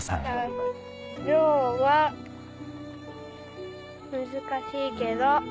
漁は難しいけど。